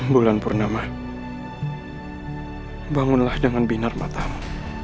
bulan purnama bangunlah dengan binar matahari